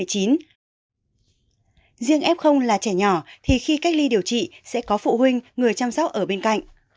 riêng f là trẻ nhỏ thì khi cách ly điều trị sẽ có phụ huynh người chăm sóc ở bên cạnh